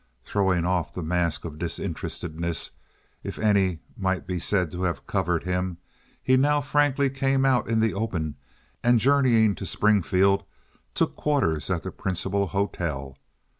Throwing off the mask of disinterestedness—if any might be said to have covered him—he now frankly came out in the open and, journeying to Springfield, took quarters at the principal hotel.